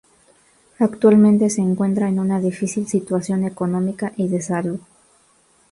Actualmente se encuentra en una difícil situación económica y de salud.